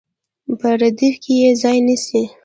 په ردیف کې یې ځای نیسي.